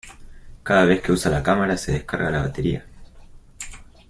Cada vez que usa la cámara se le descarga la batería.